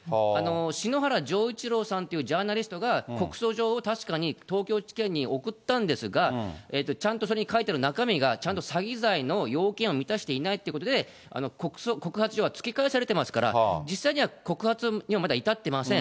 篠原じょういちろうさんっていうジャーナリストが告訴状を確かに東京地検に送ったんですが、ちゃんとそれに書いてる中身が、ちゃんと詐欺罪の要件を満たしていないってことで、告発状は突き返されてますから、実際には、告発にはまだ至ってません。